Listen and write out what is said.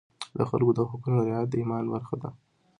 د خلکو د حقونو رعایت د ایمان برخه ده.